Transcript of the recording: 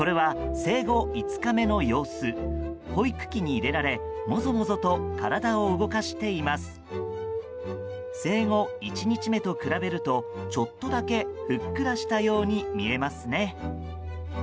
生後１日目と比べるとちょっとだけふっくらしたように見えますね。